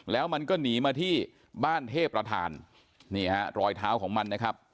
แล้วมันก็หนีมาที่บ้านเทพประธานนี่ฮะรอยเท้าของมันนะครับ